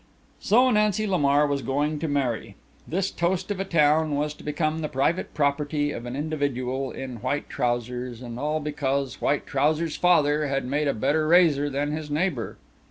So Nancy Lamar was going to marry. This toast of a town was to become the private property of an individual in white trousers and all because white trousers' father had made a better razor than his neighbor.